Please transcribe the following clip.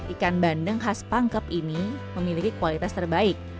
ikan bandeng khas pangkep ini memiliki kualitas terbaik